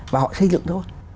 và họ xây dựng thôi